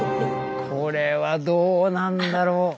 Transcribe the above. これはどうなんだろう。